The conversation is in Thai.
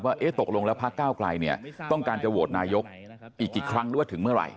ว่าตกลงแล้วพักก้าวไกลเนี่ยต้องการจะโหวตนายกอีกกี่ครั้งหรือว่าถึงเมื่อไหร่